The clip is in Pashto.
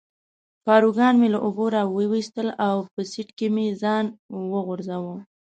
پاروګان مې له اوبو را وویستل او په سیټ کې مې ځان وغورځاوه.